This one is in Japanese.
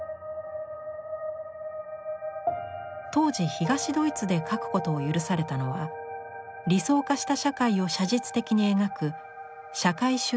当時東ドイツで描くことを許されたのは理想化した社会を写実的に描く「社会主義リアリズム」だけ。